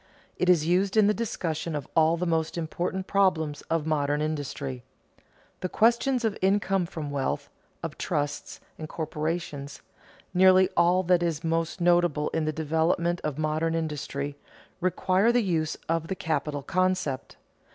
It is used in the discussion of all the most important problems of modern industry. The questions of income from wealth, of trusts and corporations, nearly all that is most notable in the development of modern industry, require the use of the capital concept.